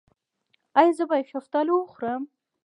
ایا زه باید شفتالو وخورم؟